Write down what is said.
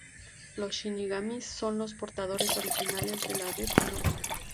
Los shinigamis son los portadores originales de los Death Note.